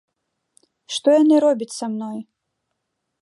Што яны робяць са мной?